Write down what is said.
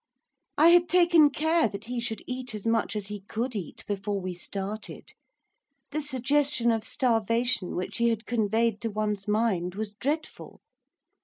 I had taken care that he should eat as much as he could eat before we started the suggestion of starvation which he had conveyed to one's mind was dreadful!